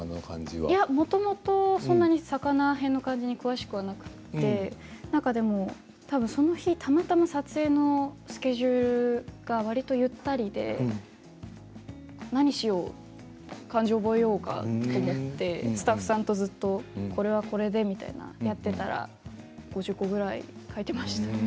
もともとそんな魚偏の漢字を詳しくなくて、その日たまたま撮影のスケジュールがわりとゆったりで何しよう漢字を覚えようと思ってスタッフさんとずっと、これはこれでとやっていたら５０個ぐらい書いていました。